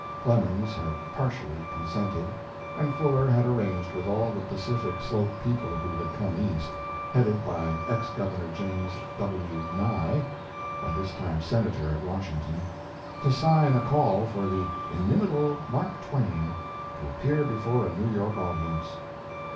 Clemens had partially consented, and Fuller had arranged with all the Pacific slope people who had come East, headed by ex Governor James W. Nye (by this time Senator at Washington), to sign a call for the "Inimitable Mark Twain" to appear before a New York audience.